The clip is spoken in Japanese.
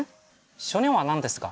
小人は何ですか？